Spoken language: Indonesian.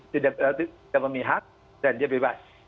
tidak memihak dan dia bebas